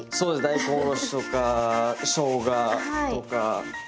大根おろしとかしょうがとか。